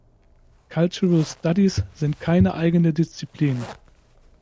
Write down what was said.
Cultural Studies sind keine eigene Disziplin.